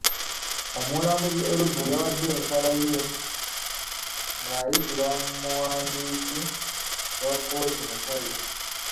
Omulamuzi Elubu yawade ensalawooye ng'ayitira mu muwandiisi wa kkooti Mushabe.